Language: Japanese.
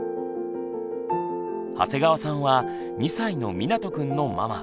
長谷川さんは２歳のみなとくんのママ。